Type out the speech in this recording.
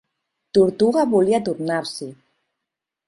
Tortuga volia tornar-s'hi.